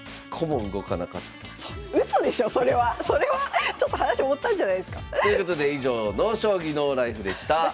そしてそれはちょっと話盛ったんじゃないですか？ということで「ＮＯ将棋ＮＯＬＩＦＥ」でした。